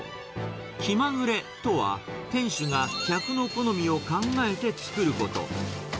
きまぐれとは、店主が客の好みを考えて作ること。